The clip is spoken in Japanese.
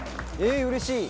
うれしい。